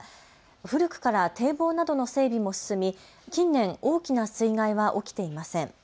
古くから堤防などの整備も進み近年、大きな水害は起きていません。